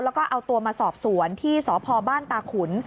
แล้วก็เอาตัวมาสอบสวนที่สพบ้านตาขุน